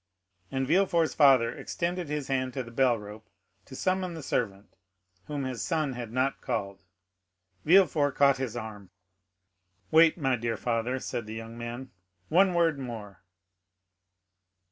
And Villefort's father extended his hand to the bell rope, to summon the servant whom his son had not called. Villefort caught his arm. "Wait, my dear father," said the young man, "one word more."